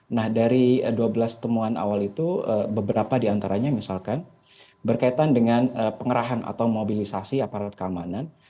nah dari dua belas temuan awal itu beberapa diantaranya misalkan berkaitan dengan pengerahan atau mobilisasi aparat keamanan